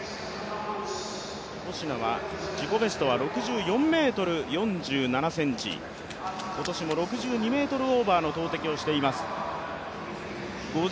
コシナは自己ベストは６４ｍ４７ｃｍ、今年も６２ｍオーバーの投てきをしています。